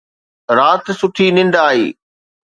رات سٺي ننڊ آئي